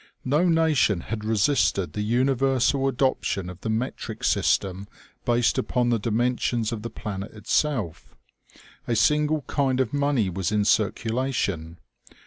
No nation had resisted the universal adoption of the metric system, based upon the dimensions of the planet itself. A single kind of money was in circulation.